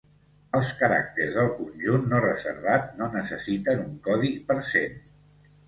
Els caràcters del conjunt no reservat no necessiten un codi per cent.